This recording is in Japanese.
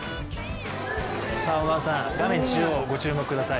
小川さん、画面中央、ご注目ください。